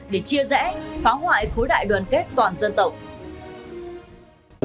để chia rẽ phá hoại khối đại đoàn kết toàn dân tộc